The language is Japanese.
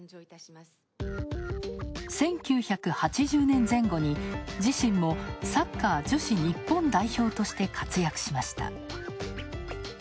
１９８０年前後に自身もサッカー女子日本代表として活躍しました。